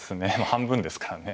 半分ですからね。